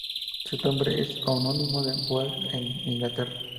Su nombre es homónimo de Wells en en Inglaterra.